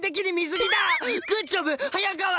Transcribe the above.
グッジョブ早川！